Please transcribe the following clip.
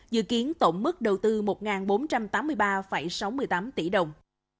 dự kiến tổng mức đầu tư một bốn trăm tám mươi ba sáu mươi tám tỷ đồng